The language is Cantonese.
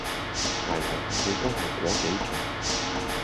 黎黎去去都係果幾種